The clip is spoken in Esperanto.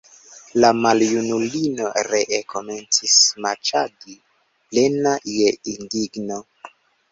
La maljunulino ree komencis maĉadi, plena je indigno.